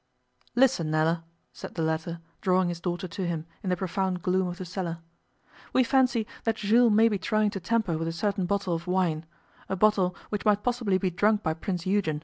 'Listen, Nella,' said the latter, drawing his daughter to him in the profound gloom of the cellar. 'We fancy that Jules may be trying to tamper with a certain bottle of wine a bottle which might possibly be drunk by Prince Eugen.